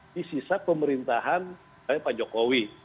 di sisa pemerintahan pak jokowi